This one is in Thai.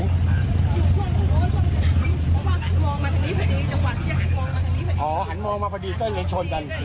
เพราะว่าหันมองมาทางนี้พอดีจังหวะที่จะหันมองมาทางนี้พอดี